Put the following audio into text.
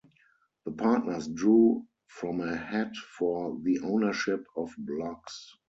The partners drew from a hat for the ownership of blocks.